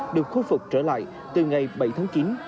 được khôi phục trở lại từ ngày bảy tháng chín